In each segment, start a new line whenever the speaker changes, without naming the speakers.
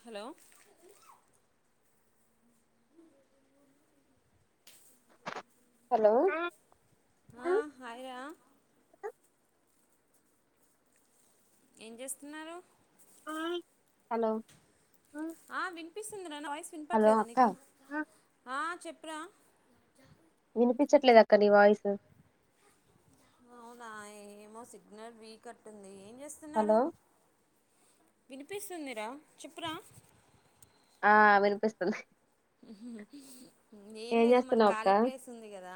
Hollow
hello
హా hi ఏం చేస్తున్నారు
హై హలో
ఆ వినిపిస్తుంది నా వాయిస్
హలో
వినిపట్లేదా
అక్క
నీకు ఆ చిప్ ప్రా
వినిపించట్లేదు అక్క నీ వాయిస్ పో
అవునా ఏమో సిగ్నల్ వికె కట్ అంటుంది ఏం చేస్తున్నారు
హలో
వినిపిస్తుందిరా చెప్పురా
ఆ వినిపిస్తుంది
మ్ ఏం లేదు మన
చేస్తున్నావ్ అక్క
ఖాళీ ప్లేస్ ఉంది కదా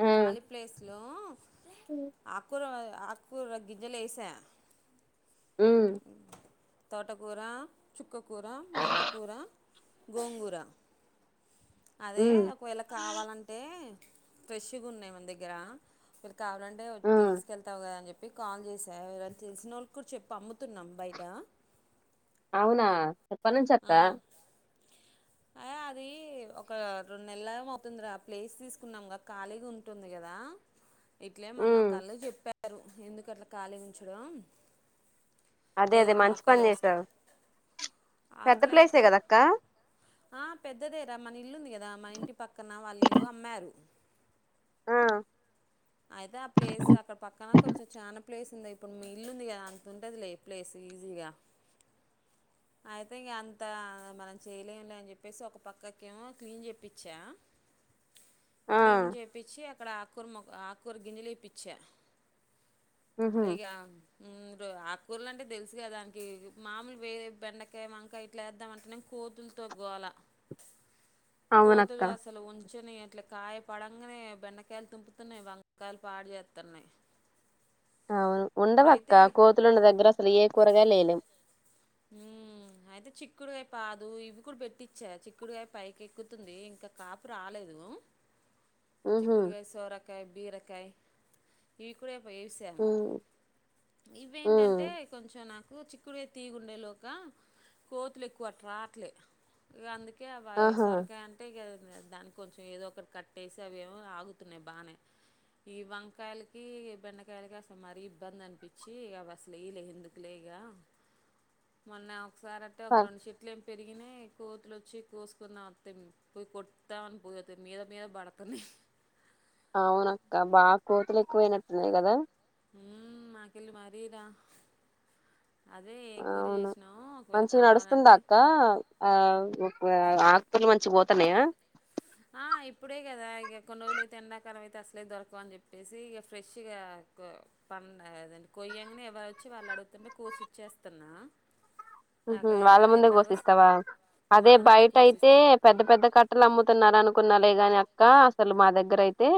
ఉమ్
కాలి ప్లేస్ లో ఆకుర ఆకుూ గింజలు వేసా
ఆ
తోటకూర చుక్కకూర మెంంతకూర గోంగూర అదే
ఉమ్
ఒకవేళ కావాలంటే ఫ్రెష్గా ఉన్నాయి మన దగ్గర కావాలంటే
ఆ,
తీసుకెళ్తావు కదా అని చెప్ నెన్ కాల్ చేసా ఎవర్ తెలిసినోళ్లకి చెప్ప పంమ్ముతున్నాం బయట
అవునా ఎప్పట్నుంచ్ అక్క
అ అది ఒక రెండు నెలలేమో అవుతుంది రా, ప్లేస్ తీసుకున్నాంగాద ఖాళీగా ఉంటుంది కదా. ఇట్లే మొన్న
ఉమ్
ఒక్కళ్ళు చెప్పారు పారు ఎందుకు అట్లా ఖాళీగా ఉంచడం
అదే
ఏదో
అదే
ఒక
మంచి
మొక్కలు
పని
వేసుకో
చేసావు పెద్ద ప్లేసే
అసలైతే
కదా అక్క
ఆ పెద్దదేరా మన ఇల్లు ఉంది కదా మా ఇంటి పక్కన వాళ్ళు లు అమ్మారు
ఆ
అయితే ఆ ప్లేస్ అక్కడ పక్కన కొంచెం చాలా ప్లేస్ ఉంది ఇప్పుడు మీ ఇల్లు ఉంది కదా అంతంటుందిలే ప్లేస్ ఈజీగా అయితే ఇంక అంత మనం చేయలేములే అని చెప్పేసి ఒక పక్కకేమో క్లీన్ చెప్పించా క్లీన్ చేపించి ఇక్కడ ఆకురు మోక్ ఆక్ కురు గినిలేపిచ్చా
ఉహు
ఇగ ఉమ్ ఆకుకూరలు అంటే తెలుసు కదానికి మామూలువే బెండకాయ వంకాయ ఇట్లా వేద్దామంటేనే కోతులతో గోలా
అవునక్క
కోతులు అసలు ఉన్ చున్నయ్ అట్లా కాయ పడంగానే బెండకాయలు తుంపుతున్నాయి వం కాయలు పాడుజేతున్నాయ్
అవును, ఉండవక్క కోతులున్న దగ్గర అసలు ఏ కూరగాయ ఏయలేం
ఉమ్ అయితే చిక్కుడుగాయ పాదు ఇవి కూడా పెట్టించా చిక్కుడుగాయ పైకి ఎక్కుతుంది ఇంకా కాపు రాలేదు
ఉహు
చిక్కుడుగాయ సోర కాయ బీరకాయ ఈ కూడా వేసాము
ఉమ్ ఉమ్
ఇవేంటంటే కొంచెం నాకు డుచక్కుడుకాయ తీగ ఉండే లోగా కోతు ఎక్కులే అటు రావట్లే ఇగ అందుక్ కె అవి
ఆహా
సొరకా అంటే ఇగ దానికి కొంచెం ఏదో ఒకటి కట్టేసి అవిమో ఆగుతున్నాయి బానే ఈ వంకాయలకి బెండకాయలకి అసలు మరీ ఇబ్బంది అనిపించి అవి అసలు ఏయ్యాలె ఎందుకులే ఇగా మొన్న సారంటే
ప
ఒక రెండు చెట్లిప్ పెరిగినై కోతులు వచ్చి కోసుకున్నాం అంతే మేము పోయి కొడతాం అని పోతే మీద మీద పడుతున్నాయి
అవున అక్క బాగా కోతులు ఎక్కువయినట్టున్నాయి కదా
ఉమ్ మాకెల్లి బాదేయదా. అదే ఎంక్వైరీ
అవును
చేసినాము ఒకవేళ
మంచిగా నడుస్తుందా
కావాలంటే.
అక్క ఆ ఆకుకూరలు మంచిగ పోతున్నాయా.
ఆహ్ ఇప్పుడే కదా ఇక కొన్ని రోజులుయితే ఎండాకాలం అయితే అసలే దొరకవు అని చెప్పేసి ఇక ఫ్రెష్గా కో పద కొయ్యంగానే ఎవరు వచ్చి వాళ్ళు అడుగుతుంటే కోసి ఇచ్చేస్తున్నా.
ఉమ్
నాకు
వాళ్ళ
ఎలా
ముందే
ఎట్లాగో స-
కోసిస్తావా అదే
వాళ్ళ ముందే
బయట అయితే
కోసిస్తా
పెద్ద పెద్ద కట్టలు అమ్ముతున్నారు అనుకు కున్నాలే గాని అక్క అసలు మా దగ్గర అయితే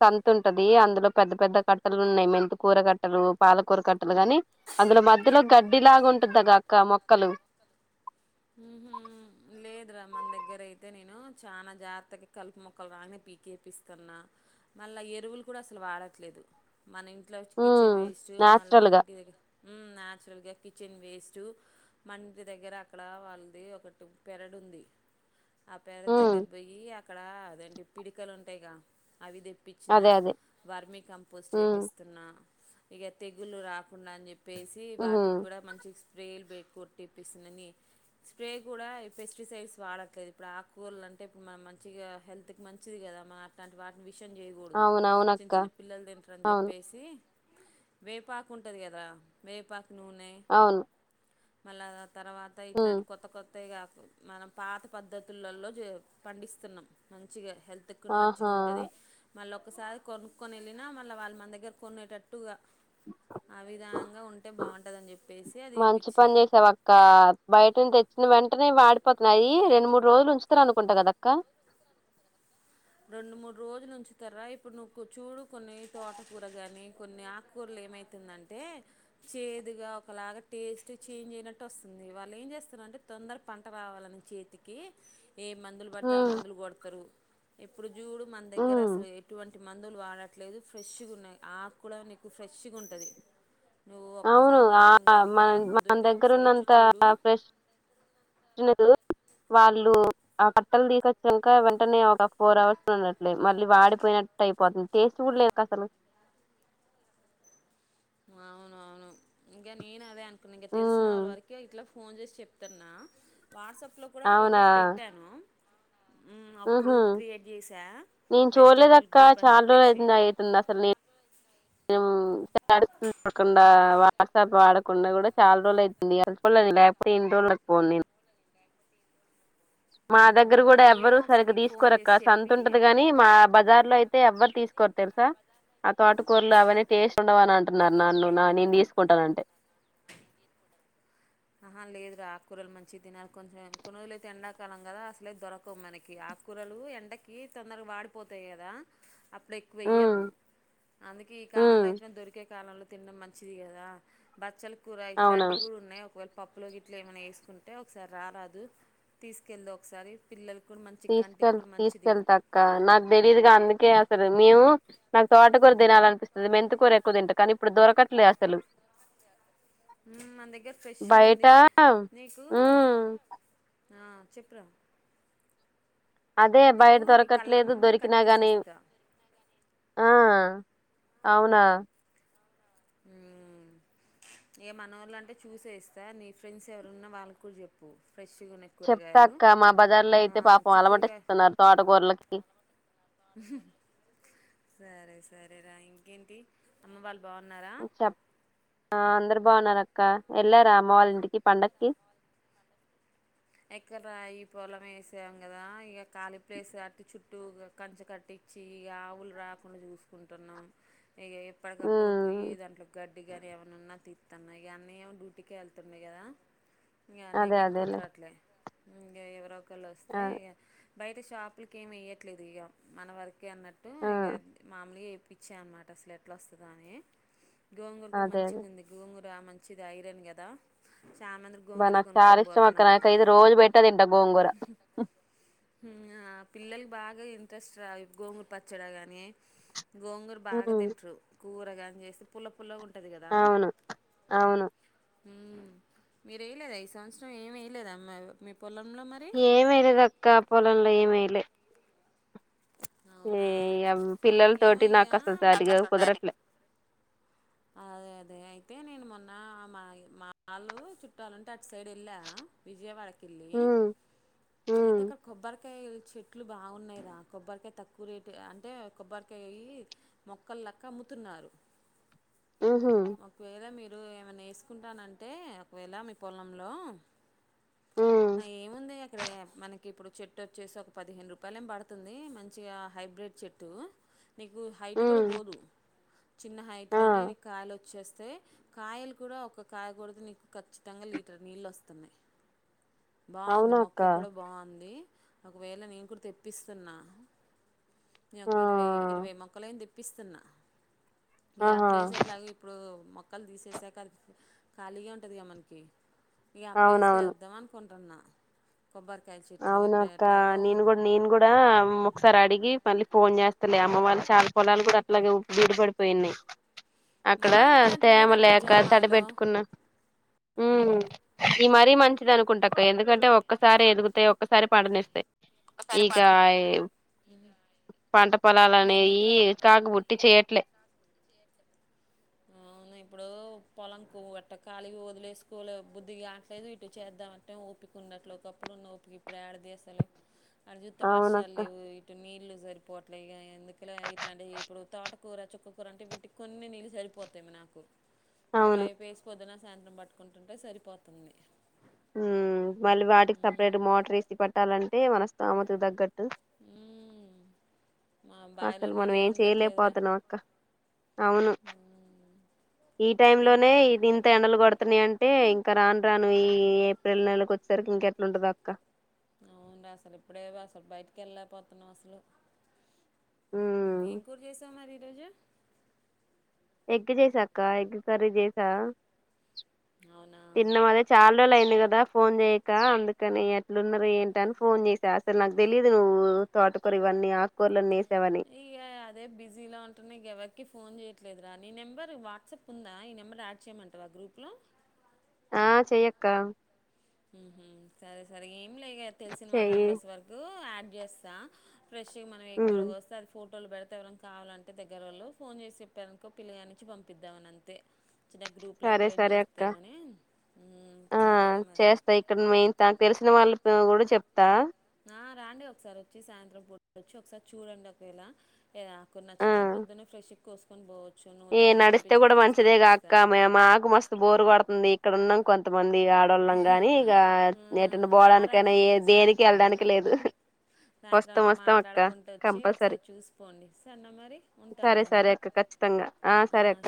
సంత ఉంటది అందులో పెద్ద పెద్ద కట్టలు ఉన్నాయి. మెంతికూర కట్టలు, పాలకూర కట్టలు గాని అందులో మధ్యలో గడ్డిలాగా ఉంటుంది అక్క మొ కలు
ఉమ్మ్ లేదురా మన దగ్గర అయితే నేను చాలా జాగ్రత్తకి కలుపు మొక్కలు రాంగ్న పీకేపిస్తున్నా మళ్ళా ఎరువులు కూడా అసలు వాడట్లేదు. మన ఇంట్లోచ్చే
ఉమ్
కిచెన్ వేస్ట్ మళ్ళా
నాచురల్
మన
గా
ఇంటి దగ్గర ఉమ్ న్యాచురల్గా కిచెన్ వేస్ట్. చు మన ఇంటి దగ్గర. అక్కడ వాళ్ళది ఒకటి పెరడ్ ఉంది. ఆ పేరడు
ఉమ్
దగ్గర పోయి ఆహ్. ఇక్కడ అదేంటి పిడకలు ఉంటాయిగా అవిదె. ఇప్పించిన
అదే అదే
వర్మీ కంపోస్ట్
ఉమ్
వేపిస్తున్నా. ఇక తెగులు రాకుండా అని చెప్పి. వేసి
ఉహు
వాటికి కూడా మంచి స్ప్రేలు. బైక్ కొట్టిపిస్తున్నాని. స్ప్రే కూడా ఈ పెస్టిసైడ్స్ వాడట్లేదు ఇప్పుడు ఆకూరలు అంటే ఇప్పుడు మనం మంచిగా హెల్త్ కి మంచిది కదా మన అట్లాంటి వాటిని. షన్ చేయకూడదు. చిన్న
అవునవునక్క
చిన్న
అవును
పిల్లలు
అక్క
తింటారని
అవును
చెప్పేసి. వేపాకు ఉంటది కదా వేపాకు. నూనె.
అవును
మళ్ళా ఆ తర్వాత.
ఉమ్
ఇలాంటి కొత్త కొత్త. కొత్తగా మనం పాత పద్ధతులలో పండిస్తున్నాం మంచిగా. హెల్త్ కూడా
ఆహా
మంచిగుంటది. మళ్ళీ ఒకసారి కొనుక్కొని వెళ్ళినా మళ్ళీ వాళ్ళు మన దగ్గర కొనేటట్టుగా. ఆ విధాంగా ఉంటే బాగుంటుందని చెప్పేసి అది
మంచి
ఎపించ.
పని చేసావు అక్క బయటని తెచ్చిన వెంటనే వాడిపోతున్నాయి. అవి రెండు మూడు రోజులు ఉంచుతారనుకుంటా కదక్క.
రెండు మూడు రోజులు ఉంచుతార ఇప్పుడు నువ్వు చూడు కొన్ని తోటకూర కాగానీ కొన్ని ఆకుకూరలు ఏమైతుందంటే చేదుగా ఒకలాగా టేస్ట్ చేంజ్ అయినట్టు వస్తుంది. వాళ్ళు ఏం చేస్తారంటే తొందర పంట రావాలని చేతికి. ఏ మందులు పడితే ఆ
ఉమ్
మందులు కొడతారు. ఇప్పుడు. ఇప్పుడు మన దగ్గర
ఉమ్
అసలు ఎటువంటి మంద్. మందులు వాడట్లేదు ఫ్రెష్గా ఉన్నాయి. ఆకు కూడా నీకు ఫ్రెష్గా ఉంటది.
అవును ఆ మన మన
కుదిరితే ఒకసారి వచ్చి
దగ్గరున్నంత
చూడు
ఫ్రెష్. వాళ్ళు ఆ కట్టలు తీసుకొచ్చినంక వెంటనే ఒక ఫోర్ అవర్స్ లో ఉండట్లేదు. మళ్ళీ వాడిపోయినట్టు అయిపోతుంది టేస్ట్ కూడా లేదక్క అసలు.
అవును అవును ఇంకా నేను అదే అను. [unintelligible] ఇంక తెలిసిన
ఉమ్
వాళ్ళ వరకే ఇట్లా ఫోన్ చేసి చెప్తన్నా వాట్సాప్లో కూడా ఫొటోస్ పెట్టాను హ్మ్. ఒక
ఉహూ
గ్రూప్ క్రియేట్ చేసా.
నేను
వెజిటేబుల్
చూడలేదక్క
గ్రూప్ అని
చాలా రోజులు
చెప్పేసి.
ఐతుంది అ ఐతుంది అసలు నేను స్టేటస్ లు చూడకుండా వాట్సాప్ వాడకుండా కూడా చాలా రోజులైతుంది ఎలేని లేకపోతే ఎన్ని రోజులకి పోను నేను మా
ఆహా!
దగ్గర కూడా ఎవ్వరు
ఏమో ఒకసారి
సరిగ్గా
నీకు ఫోన్
తీసుకోరక్క
చేసి
సంత
చెప్పి
ఉంటది కాని మా బజార్ లో అయితే ఎవ్వరు తీస్ కూర తెలుసా ఆ తోటకూరలు అవన్నీ టేస్ట్ ఉండవు అనంటున్నారు నన్ను నా నేను తీసుకుంటానంటే
ఆహా లేదురా ఆకుకూరలు మంచిగా తినాలి కొంచెం కొన్ని రోజులుయితే ఎండాకాలం కదా అసలైతే దొరకవు మనకి ఆక్కూరలు ఎండకి తొందరగా వాడిపోతాయి కదా అప్పుడు ఎక్కువ
ఉమ్
ఎయ్యాము అందుకే ఈ
ఉమ్
కాలంలో అయితే దొరికే కాలంలో తినడం మంచిది కదా బచ్చలు కూర ఇట్లాంటివి
అవునవును
కూడా ఉన్నాయి ఒకవేళ పప్పులో గట్లా ఏమైనా వేసుకుంటే ఒకసారి రారాదు తీసుకెళ్దువ్ ఒకసారి పిల్లలకి
తీసుకెళ్ తీసుకెళ్తా అక్క నాకు తెలీదుగా అందుకే తరు మేము నాకు తోట కూర తినాలనిపిస్తది మెంతి కూర ఎక్కువ తింటా కానీ ఇప్పుడు దొరకట్లే అసలు
మ్ మన దగ్గర ఫ్రెష్
బయట
గుంది నీకు
ఉమ్
ఆ చెప్పురా
అదే బయట
నీకు నీ కళ్ళ
దొరకట్లేదు
ముందే కట్
దొరికినా
చేసి
గానీ
ఇస్తా
ఆ అవునా
మ్ ఏ మనోళ్ళంటే చూసే ఇస్తా నీ ఫ్రెండ్స్ ఎవరున్నా వాళ్ళకి కూడా చెప్పు ఫ్రెష్గా ఉన్న
చెప్తా
కూరగాయలు
అక్క మా బజార్ లో
ఆ,
అయితే పాపం
చిక్కుడుకాయ
అలమటిస్తున్నారు తోటకూరలకి
సరే సరేరా ఇంకేంటి అమ్మ వాళ్ళు బాగున్నారా
చెప్ ఆ అందరు బావున్నారక్క వెళ్ళారా అమ్మ వాళ్ళ ఇంటికి పండక్కి
ఎక్కడరా ఈ పొలం వేసాం కదా ఇక ఖాలీ ప్లేస్ కట్టి చుట్టూ కంచె కట్టిచ్చి ఇగ ఆవులు రాకుండా చూసుకుంటున్నాం ఇక ఎప్పటికప్పుడు
ఉమ్
పొయ్య దాంట్లో గడ్ [unintelligible] గని ఏమైనున్నా తీత్తున్నా ఇగ అన్నియ్య ఏమో డ్యూటీకి వెళ్తుండే కదా ఇగ అన్నయ్య
అదే
కేం
అదేలే
కుదరట్లే ఇంక ఎవరో కల్లోస్తే
ఆ
ఇగ బయట షాపులకేం ఎయ్యట్లేదు ఇక మన వర కే అన్నట్టు
ఆ
ఇగ మామూలుగా [unintelligible] ఇచ్చా అనమాట అసలు ఎట్లా వస్తదో అని గోంగూర కూడా
అదే అదే
మంచిగుంది గోంగూర బా మంచిది ఐరన్ కదా చాన మంది
బా
గోంగురే
నాకు చాలా
కొనుక్కొని
ఇష్టం అక్క
పోతున్నారు
నాకైతే రోజు పెట్టే తింటా గోంగూర
పిల్లలు బాగా ఇంట్రెస్ట్ గోంగుర పచ్చడా గాని గోంగూర బాగా
ఉమ్
తింట్రు ఊరగాయని చేసి పుల్ల పుల్లగా ఉంటుంది
అవును అవును
మీరేయలేద ఈ సంవత్సరం ఏమి వెయలేద అమ్మా
ఏమేయ్యలేదు అక్క పొలంలో ఏమేయ లే
అవునా
ఏ పిల్లల
ఏమో
తోటి
ఇక
నాకు అసలు
మా
సారిగా
ఒక్కసారి
కుదరట్లే
అదే అదే అయితే నేను మొన్న మా మాలు చుట్టాలంటే అటు సైడ్ వెళ్ళా విజయవాడకి
ఉమ్
అయితే
ఉమ్
అక్కడ కొబ్బ కొబ్బరికాయ చెట్లు బాగున్నాయి రా కొబ్బరికాయ తక్కువ రేటు అంటే కొబ్బరికాయ అయి మొక్కల లక్క అమ్ముతున్నారు
ఉహు
ఒకవేళ మీర్ ఏమైన్నా వేసుకుంటానంటే ఒకవేళ మీ పొలంలో
ఉమ్
అ ఏం ఉంది ఇక్కడే మనకి ఇప్పుడు చెట్టు వచ్చేసి ఒక పదిహేను రూపాయలేం పడుతది మంచిగా హైబ్రిడ్ చెట్టు నీకు హైట్ కూడా
ఉమ్
పోదు చిన్న హైట్
ఆ
కాయలు వచ్చేస్తయి కాయలు కూడా ఒక కాయకొడితే నీకు ఖచ్చితంగా లీటర్ నీళ్ళు వస్తున్నయి బాగుంది
అవునక్క
మొక్క కూడా బాగుంది ఒకవేళ నేను కూడా తెప్పిస్తున్నా నాకు
ఆ
ఇరవై ఇరవై మొక్కలయింది పిస్తున్నా ఇగ ఆ
ఆహా
ప్లేస్ ఎట్లాగు ఇప్పుడు మొ క్కలు తీసేసాక అది ఖాళీగా ఉంటది గా మనకి ఇగ ఆ ప్లేస్ లో వేద్దాం అనుకు న్ టున్న
అవున అక్క నేను కూడా నేను కూడా ఒకసారి అడిగి మళ్ళీ ఫోన్ చేస్తలే అమ్మ వాళ్ళ చాల పొలాలు కూడా అట్లా బీడు పడిపోయిఉన్నాయి అక్కడ
ఆ ఇట్లాంటివి
తేమ
ఏదో ఒకటి
లేక
జామాయిలో
తడిబెట్టుకున్నా హు ఇది మరీ మంచిది అనుకుంటాక్క ఎందుకంటే ఒక్కసారే ఎదుగు తే ఒక్కసారే పంటనిస్తాయి ఇక
సరిపడదు
పంట పొలాలనే
ఎందుకురా
చికాగుబుట్టి చేయట్లే
అవును ఇప్పుడు పొలంకువట్ట కాలి వదిలేసుకలే బుద్ధిగా కావట్లేదు ఇటు చేద్దాంమంటే ఓపిక ఉండట్లే ఒకప్పుడు ఉన్న ఓపిక ఇప్పుడు ఏడదసలు అటు చూస్తే వర్షాలు
అవునక్క
లేవు ఇటు నీళ్ళు సరిపోవట్లే ఇక ఎందుకలా ఇలాంటి ఇప్పుడు తోటకూర చుక్కకూర అంట వటికి కొన్ని నీళ్ళు సరిపో పోతేమ నాకు
అవును
పైపేసిపోదన సాయంత్రం పట్టుకుంటుంటే సరిపోతుంది
హ మళ్ళీ వాటికి
ఉమ్,
సపరేట్ మోటర్ ఏసి పెట్టాలంటే ఇ మన స్థోమత తగ్గట్టు
అ
అసలు మనం ఏం చేయలేపోతున్నాం అక్క అవును
ఉమ్.
ఈ
ఇంక్
టైంలోనే ఇది ఇంత ఎండలు కొడుత అతని అంటే ఇంకా రాను రాను ఈ ఏప్రిల్ నెల వచ్చేసరికి ఇంకెట్లాంటంద అక్క
అవును అసలు ఇప్పుడే అసలు బయటికి వెళ్ళలేకపోతున్నాం అసలు
ఉమ్
ఏం కూర చేసావ్ మరి టజ
ఎగ్ చేసాక్క ఎగ్ కర్రీ చేసా
అవునా
తిన్న అదే చాల రోజుల అయింది కదా ఫోన్ చేయక్క అందుకని ఎట్లున్నారు ఏంట అని ఫోన్ చేసి అసలు నాకు తెలిదు నువ్వు తోటకూర ఇవన్నీ ఆకుకూరలు అన్నీ
ఇక అదే బిజీలా ఉంటుందిక ఎవరికి ఫోన్ చే ట్లేదురా నీ నెంబర్ వాట్సాప్ ఉందా ఈ నెంబర్ యాడ్ చేయమంటావా గ్రూప్లో
చెయక్క
సరే సరే లే తెలిసిన వాళ్ళ
చెయ్యి
మెంబర్స్ వరకు గెస్ ఆ ఫ్రెష్గా మనం
ఉమ్
ఎక్వగా వస్త అది ఫ ఫటోలు పెడితే ఎవరం కావాలంటే దగ్గర వాళ్ళు ఫోన్ చేసి చెప్పారనుకో పిల్లిగానించి పంపిద్దామ అనింతే చి చిన్న గ్రూప్లా
సరే
క్రిట్
సరే అక్క
చేస్తేమని
ఆ
సరేరా మరి
చేస్తా ఇక్కడ మేయిన్ నాకు తెలిసిన వాళ్ళు కూడా చెప్తా
ఆ రండి ఒకసారి వచ్చి సాయంత్రం పూ వచ్చి ఒకసారి చూడండి ఒకవేళ ఏదకు నచ్చితే
ఆ
పొద్దునే ఫ్రెష్ కోసుకొని పోవచ్చు నువ్వు
ఏ
తమ్ముడు
నడిస్తే
పంపించినా
కూడా
కోసి
మంచిదేగా
పంపిస్తా
అక్క మా మాకు మస్తు బోరు పడుతుంది ఇక్కడన్నా కొంత ఎటన్నా పోవడానికైనా ఏ
రాదండి
దేనికి
సాయంత్రం అట్లా
వెళ్ళడానికి లేదు
సాయంత్రం
వస్తాం
అట్లా
వస్తాం అక్క
మాట్లాడుకుంటూ వచ్చి
కంపల్సరీ
ఒకసారి చూసిపోండి సన్న మరి ఉంటా అమ్మ మరి
మొత్తంగా ఆ సరే అక్క